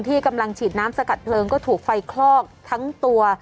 ที่กำลังฉีดน้ำสกัดเพลิงก็ถูกไฟคลอกทั้งตัว